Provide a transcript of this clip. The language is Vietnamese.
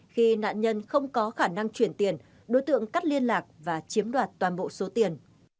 khi nạn nhân không có khả năng chuyển tiền đối tượng cắt liên lạc và chiếm đoạt toàn bộ số tiền